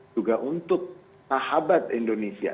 juga untuk sahabat indonesia